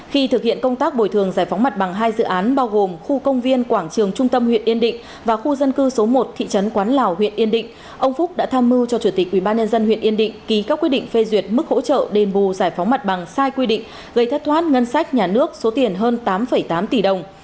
khi thực hiện công tác bồi thường giải phóng mặt bằng hai dự án bao gồm khu công viên quảng trường trung tâm huyện yên định và khu dân cư số một thị trấn quán lào huyện yên định ông phúc đã tham mưu cho chủ tịch ubnd huyện yên định ký các quyết định phê duyệt mức hỗ trợ đền bù giải phóng mặt bằng sai quy định gây thất thoát ngân sách nhà nước số tiền hơn tám tám tỷ đồng